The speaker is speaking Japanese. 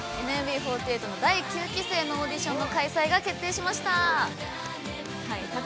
◆ＮＭＢ４８の第９期生のオーディションの開催が決定しました。